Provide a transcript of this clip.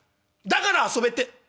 だから遊べて。